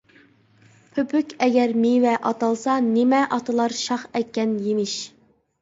پۆپۈك ئەگەر مېۋە ئاتالسا، نېمە ئاتىلار شاخ ئەگكەن يېمىش؟ !